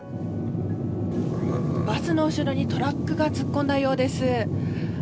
バスの後ろにトラックが突っ込んだようです。